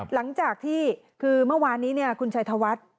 หลังจากที่คือเมื่อวานนี้คุณชัยธวัฒน์